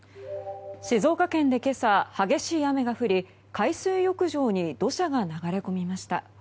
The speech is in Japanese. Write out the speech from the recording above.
静岡県で今朝、激しい雨が降り海水浴場に土砂が流れ込みました。